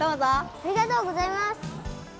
ありがとうございます。